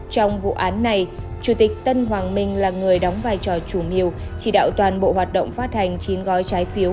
trong vụ án này chủ tịch tân hoàng minh là người đóng vai trò chủ mưu chỉ đạo toàn bộ hoạt động phát hành chín gói trái phiếu